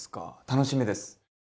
楽しみです！